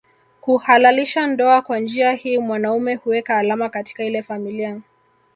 Kuhalalisha ndoa Kwa njia hii mwanaume huweka alama katika ile familia